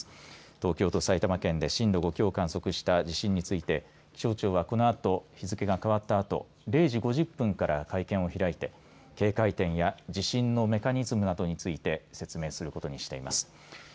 東京と埼玉県で震度５強を観測した地震について気象庁は、このあと日付が変わったあと０時５０分から会見を開いて警戒点や地震のメカニズムなどについて説明することにしています。